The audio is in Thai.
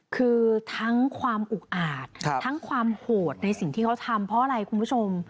คือทั้งความอุกอาจทั้งความโหดในสิ่งที่เขาทำเพราะอะไรคุณผู้ชม